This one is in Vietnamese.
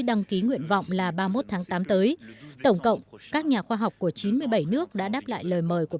đăng ký nguyện vọng là ba mươi một tháng tám tới tổng cộng các nhà khoa học của chín mươi bảy nước đã đáp lại lời mời của